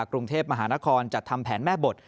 กรุงเทพมหานครจัดทำแผนแม่บท